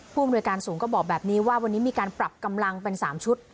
อำนวยการสูงก็บอกแบบนี้ว่าวันนี้มีการปรับกำลังเป็น๓ชุด